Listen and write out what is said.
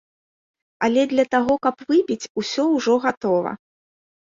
Але для таго, каб выпіць, усё ўжо гатова.